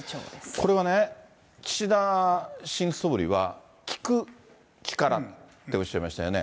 これはね、岸田新総理は、聞く力っておっしゃいましたよね。